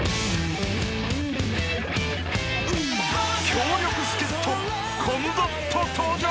［強力助っ人コムドット登場］